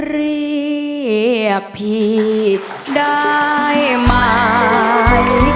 เรียกพี่ได้ไหม